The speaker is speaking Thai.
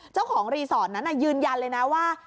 เจ้าของรีสอร์ทนั้นยืนยันเลยนะว่า